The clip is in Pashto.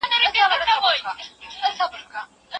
ایا ته زما غږ اوس هم اورې؟